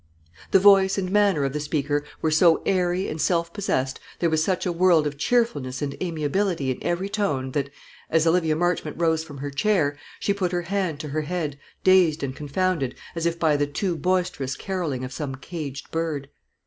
The voice and manner of the speaker were so airy and self possessed, there was such a world of cheerfulness and amiability in every tone, that, as Olivia Marchmont rose from her chair, she put her hand to her head, dazed and confounded, as if by the too boisterous carolling of some caged bird.